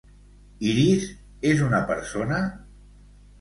Iris és una persona?